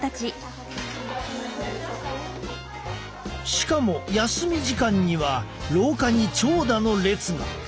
しかも休み時間には廊下に長蛇の列が。